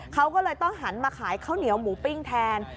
เขาก็เลยต้องหันมาขายข้าวเหนียวหมูปิ้งแทน